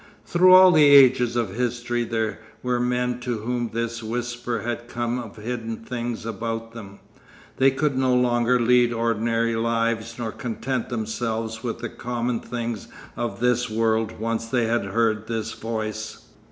Through all the ages of history there were men to whom this whisper had come of hidden things about them. They could no longer lead ordinary lives nor content themselves with the common things of this world once they had heard this voice.